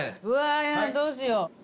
うわーどうしよう。